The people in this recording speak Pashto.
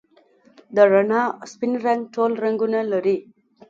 د رڼا سپین رنګ ټول رنګونه لري.